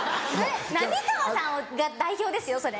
浪川さんが代表ですよそれ！